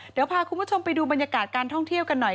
เดี๋ยวพาคุณผู้ชมไปดูบรรยากาศการท่องเที่ยวกันหน่อย